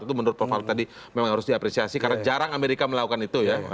itu menurut prof tadi memang harus diapresiasi karena jarang amerika melakukan itu ya